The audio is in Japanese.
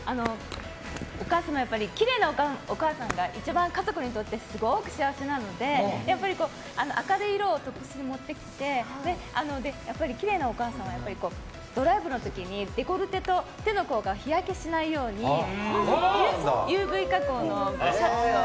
やっぱり、きれいなお母さんが一番家族にとってすごく幸せなので明るい色をトップスに持ってきてきれいなお母さんはドライブの時にデコルテと手の甲が日焼けしないようにＵＶ加工のシャツを。